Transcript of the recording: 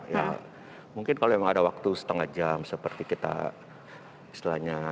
ya mungkin kalau memang ada waktu setengah jam seperti kita istilahnya